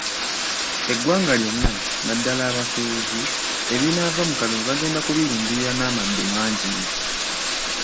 Eggwanga lyonna naddala abasuubuzi ebinaava mu kalulu bagenda kubirindirira n'amaddu mangi.